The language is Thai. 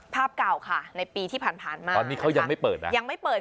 ภาพเก่าค่ะในปีที่ผ่านผ่านมากตอนนี้เขายังไม่เปิดนะ